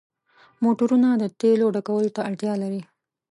موټرونه د تیلو ډکولو ته اړتیا لري.